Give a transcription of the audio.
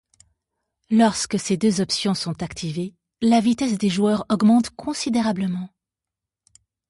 Lorsque ces deux options sont activées, la vitesse des joueurs augmente considérablement.